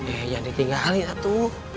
eh jangan ditinggalin satu